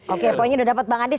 oke poinnya udah dapat bang adis